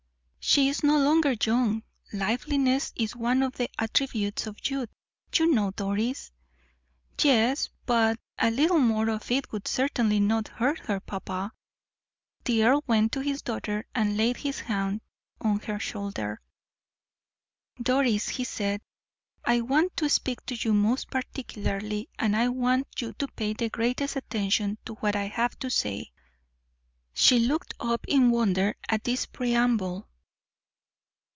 "She is no longer young; liveliness is one of the attributes of youth, you know, Doris." "Yes, but a little more of it would certainly not hurt her, papa." The earl went to his daughter and laid his hand on her shoulder. "Doris," he said, "I want to speak to you most particularly, and I want you to pay the greatest attention to what I have to say." She looked up in wonder at this preamble.